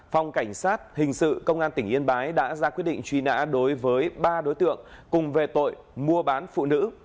phòng cảnh sát hình sự công an tỉnh yên bái đã ra quyết định truy nã đối với ba đối tượng cùng về tội mua bán phụ nữ